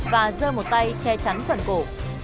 và dơ một tay che chắn phần cổ